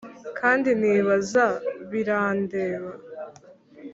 kandi nibaza birandeba.